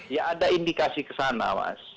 ya ada indikasi kesana mas